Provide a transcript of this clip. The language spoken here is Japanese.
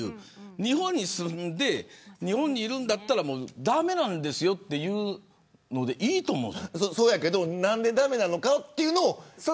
日本に住んで日本にいるんだったら駄目なんですというのでいいと思うんですそうやけどなんで駄目なのかというのを。